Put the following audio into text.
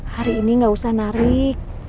hari ini gak usah narik